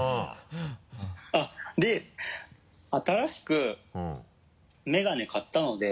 で新しくメガネ買ったので。